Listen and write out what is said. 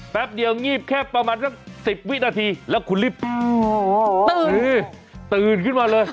แป๊บเดียวงีบแค่ประมาณสัก๑๐วินาทีแล้วคุณรีบตื่นขึ้นมาเลย